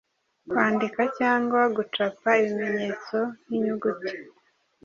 kwandika cyangwa gucapa ibimenyeto nkinyuguti